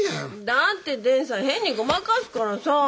だって伝さん変にごまかすからさぁ！